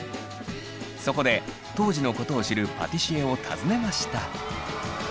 そこで当時のことを知るパティシエを訪ねました。